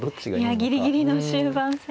ギリギリの終盤戦ですね。